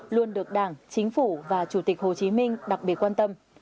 luôn được đảng chính phủ và chủ tịch hồ chí minh đặc biệt quan tâm